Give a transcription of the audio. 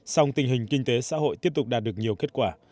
song tình hình kinh tế xã hội tiếp tục đạt được nhiều kết quả